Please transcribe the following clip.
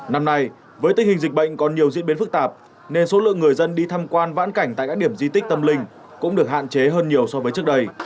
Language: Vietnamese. năm nay với tình hình dịch bệnh còn nhiều diễn biến phức tạp nên số lượng người dân đi tham quan vãn cảnh tại các điểm di tích tâm linh cũng được hạn chế hơn nhiều so với trước đây